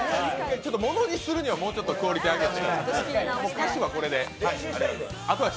モノにするにはもうちょっとクオリティー上げて。